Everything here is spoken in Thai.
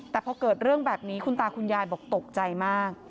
แต่พอเกิดเรื่องแบบนี้คุณตาคุณยายบอกตกใจมาก